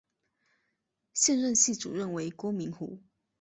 现任系主任为郭明湖。